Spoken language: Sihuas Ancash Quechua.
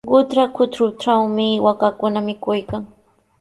Qutra kutruntrawmi waakakuna mikuykan.